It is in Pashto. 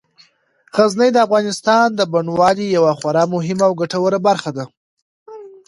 غزني د افغانستان د بڼوالۍ یوه خورا مهمه او ګټوره برخه ده.